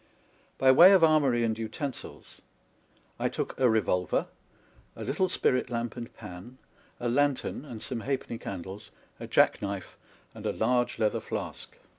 By way of armoury and utensils, I took a revolver, a little spirit lamp and pan, a lantern and some halfpenny candles, a jack knife and a large leather flask.